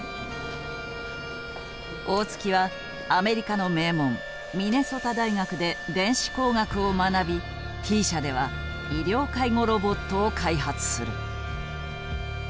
大槻はアメリカの名門ミネソタ大学で電子工学を学びＴ社では医療介護ロボットを開発する。